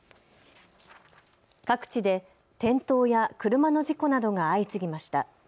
各地で転倒や車の事故などが相次ぎました。